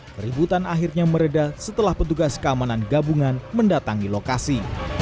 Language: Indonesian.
keributan akhirnya meredah setelah petugas keamanan gabungan mendatangi lokasi